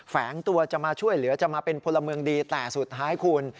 แฝงตัวจะมาช่วยเหลือจะมาเป็นพลเมืองดีแต่สุดท้ายคุณ